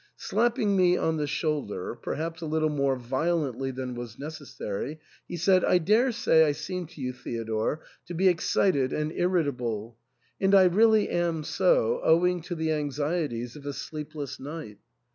Slapping me on the shoulder, perhaps a little more violently than was necessary, he said, " I daresay I seem to you, Theodore, to be excited and irritable ; and I really am so, owing to the anxieties of a sleep less night.